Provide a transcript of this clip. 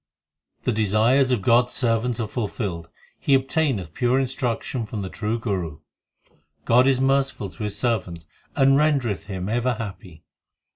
258 THE SIKH RELIGION 3 The desires of God s servant are fulfilled ; He obtaineth pure instruction from the true Guru. God is merciful to His servant, And rendereth him ever happy.